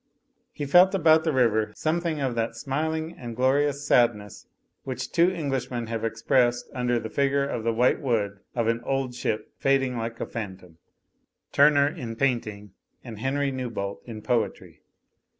He felt about the river something of that smiling and glorious sadness which two Eng lishmen have expressed under the figure of the white wood of an old ship fading like a phantom ; Turner, in painting, and Henry .Newbolt, in poetry.